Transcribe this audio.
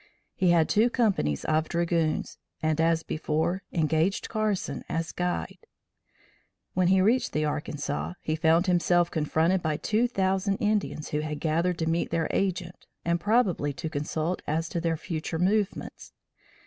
He had two companies of dragoons, and as before, engaged Carson as guide. When he reached the Arkansas, he found himself confronted by two thousand Indians who had gathered to meet their agent and probably to consult as to their future movements.